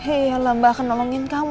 eh allah mbak akan nolongin kamu